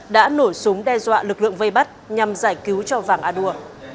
đã nổ súng đe dọa lực lượng vây bắt nhằm giải cứu cho vàng a đua